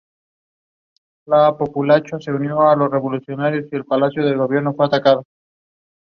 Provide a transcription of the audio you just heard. Enjoy!